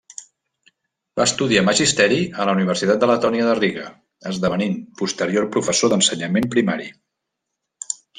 Va estudiar magisteri a la Universitat de Letònia de Riga, esdevenint posterior professor d'ensenyament primari.